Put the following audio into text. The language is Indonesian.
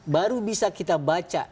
baru bisa kita baca